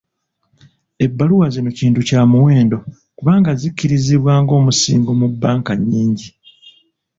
Ebbaluwa zino kintu kya muwendo, kubanga zikkirizibwa ng'omusingo mu bbanka nnyingi.